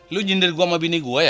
lo jendel gue sama bini gue ya